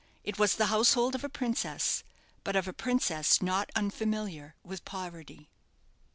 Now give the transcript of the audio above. It was the household of a princess; but of a princess not unfamiliar with poverty.